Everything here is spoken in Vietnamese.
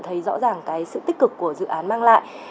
thấy rõ ràng cái sự tích cực của dự án mang lại